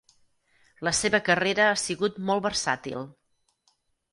La seva carrera ha sigut molt versàtil.